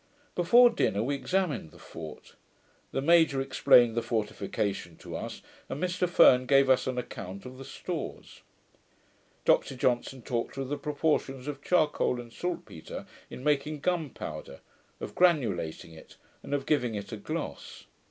Before dinner we examined the fort. The Major explained the fortification to us, and Mr Ferne gave us an account of the stores. Dr Johnson talked of the proportions of charcoal and salt petre in making gunpowder, of granulating it, and of giving it a gloss.